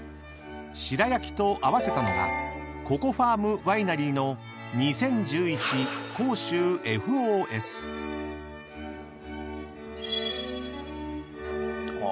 ［白焼と合わせたのがココ・ファーム・ワイナリーの２０１１甲州Ｆ．Ｏ．Ｓ］あ！